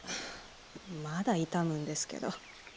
まだ痛むんですけど。